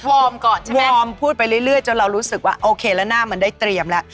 วอร์มก่อนใช่ไหมวอร์มพูดไปเรื่อยจนเรารู้สึกว่าโอเคแล้วหน้ามันได้เตรียมแล้ว